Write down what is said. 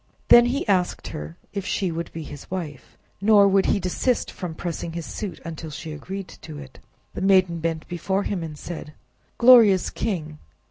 Then he asked her if she would be his wife, nor would he desist from pressing his suit, until she agreed to it. The maiden bent before him and said— "Glorious king!